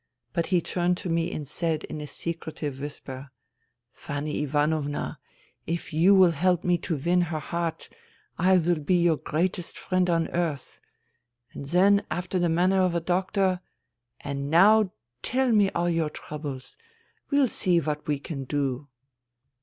But he turned to me and said in a secretive whisper : Fanny Ivanovna, if you will help me to win her heart I will be your greatest friend on earth.' And then, after the manner of a doctor, ' And now tell me all your troubles. We'll see what we can do.'